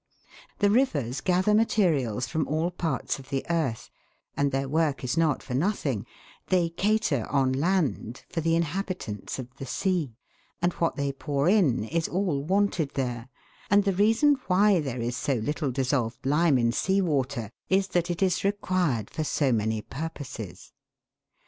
The rivers gather materials from all parts of the earth, and their work is not for nothing ; they cater on land for the inhabitants of the sea, and what they pour in is all wanted there, and the reason why there is so little dissolved lime in sea water is that it is required for so many purposes.